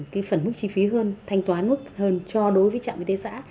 cái phần mức chi phí hơn thanh toán mức hơn cho đối với trạm y tế xã